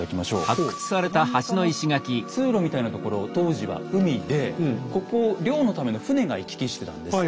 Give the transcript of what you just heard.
真ん中の通路みたいなところ当時は海でここを漁のための船が行き来してたんです。